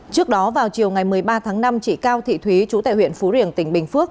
trước đó vào chiều ngày một mươi ba tháng năm chị cao thị thúy chú tại huyện phú riềng tỉnh bình phước